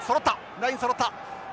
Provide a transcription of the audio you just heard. ラインそろった。